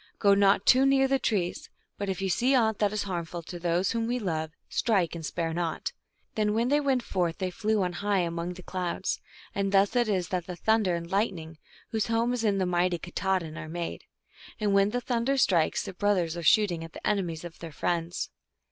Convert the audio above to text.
Go not too near the trees, but if you see aught that is harmful to those whom we love, strike, and spare not !" Then when they went forth they flew on high, among the clouds : and thus it is that the Thunder and Lightning, whose home is in the mighty Katah din, are made. And when the thunder strikes, the brothers are shooting at the enemies of their friends.